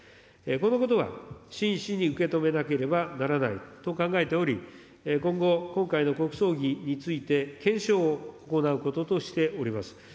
このことは、真摯に受け止めなければならないと考えており、今後、今回の国葬儀について検証を行うこととしております。